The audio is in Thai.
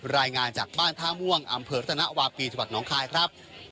รายงานจากบ้านท่าม่วงอำเภอรัตนวาปีจังหวัดน้องคายครับ